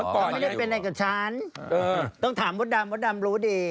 ไม่ได้เป็นไรกับฉันต้องถามอนดรรมรดรรมรู้ดิ